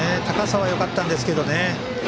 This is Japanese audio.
高さはよかったんですけどね。